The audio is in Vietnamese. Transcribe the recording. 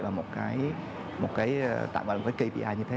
và một cái tạm bảo với kpi như thế